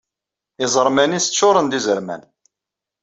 Iẓerman-is ččuren d izerman.